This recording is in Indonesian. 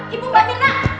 ibu mbak rena